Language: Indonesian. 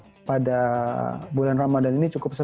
tapi pada bulan ramadan ini cukup banyak